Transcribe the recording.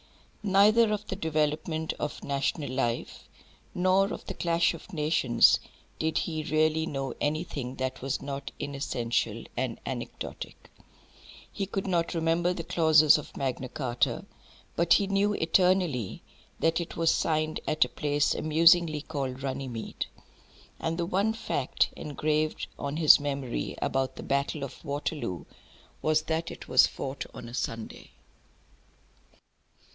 Neither of the development of national life, nor of the clash of nations, did he really know anything that was not inessential and anecdotic. He could not remember the clauses of Magna Charta, but he knew eternally that it was signed at a place amusingly called Runnymede. And the one fact engraved on his memory about the battle of Waterloo was that it was fought on a Sunday.